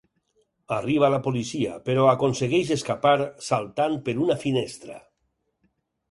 Arriba la policia, però aconsegueix escapar saltant per una finestra.